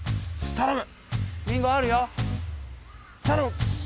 頼む。